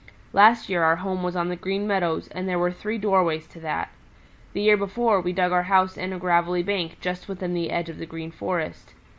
Last year our home was on the Green Meadows and there were three doorways to that. The year before we dug our house in a gravelly bank just within the edge of the Green Forest.